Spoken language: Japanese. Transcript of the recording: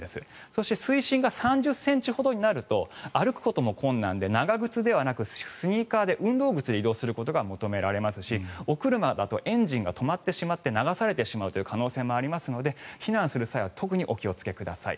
そして水深が３０ｃｍほどになると歩くことも困難で長靴ではなくスニーカーで、運動靴で移動することが求められますしお車だとエンジンが止まってしまって流されてしまうという可能性がありますので避難する際は特にお気をつけください。